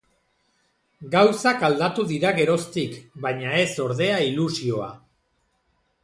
Gauzak aldatu dira geroztik, baina ez, ordea, ilusioa.